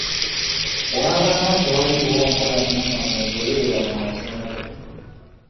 Waba nga tewaliiwo nkola nnungamu egobererwa mu masomero.